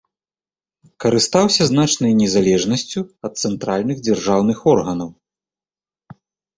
Карыстаўся значнай незалежнасцю ад цэнтральных дзяржаўных органаў.